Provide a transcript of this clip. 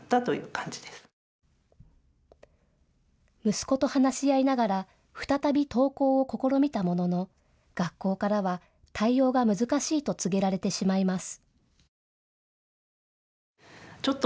息子と話し合いながら再び登校を試みたものの学校からは対応が難しいと告げられてしまいます。